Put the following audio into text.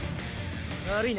悪いな。